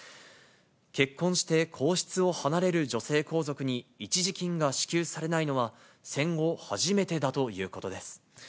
結婚して皇室を離れる女性皇族に一時金が支給されないのは、戦後初めてだということです。